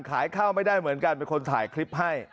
ขายข้าวไม่ได้เหมือนกันเป็นคนถ่ายคลิปให้